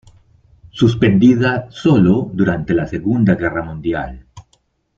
Suspendida sólo durante la Segunda Guerra Mundial.